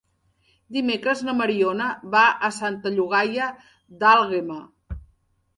Dimecres na Mariona va a Santa Llogaia d'Àlguema.